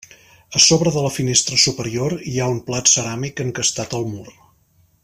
A sobre de la finestra superior hi ha un plat ceràmic encastat al mur.